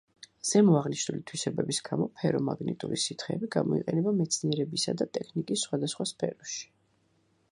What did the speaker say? ზემოაღნიშნული თვისებების გამო ფერომაგნიტური სითხეები გამოიყენება მეცნიერებისა და ტექნიკის სხვადასხვა სფეროში.